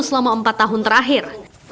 selama empat tahun terakhir